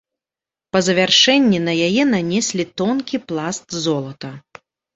Па завяршэнні на яе нанеслі тонкі пласт золата.